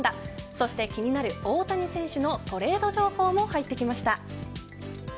そして気になる大谷選手のトレード情報も入ってきました。